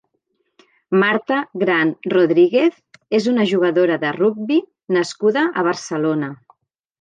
Marta Gran Rodríguez és una jugadora de rugbi nascuda a Barcelona.